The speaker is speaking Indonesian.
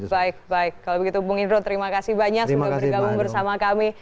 baik baik kalau begitu bung indro terima kasih banyak sudah bergabung bersama kami